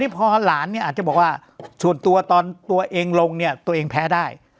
พอหลานเนี่ยอาจจะบอกว่าส่วนตัวตอนตัวเองลงเนี่ยตัวเองแพ้ได้